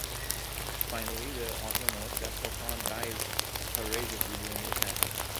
Finally, the author notes that Clopin dies courageously during the attack.